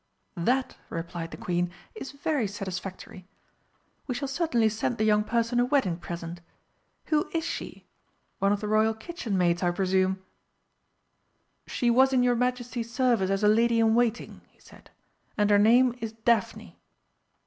"That," replied the Queen, "is very satisfactory. We shall certainly send the young person a wedding present. Who is she? One of the Royal kitchen maids, I presume?" "She was in your Majesty's service as a lady in waiting," he said, "and her name is Daphne."